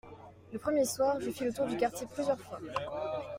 Le premier soir, je fis le tour du quartier plusieurs fois.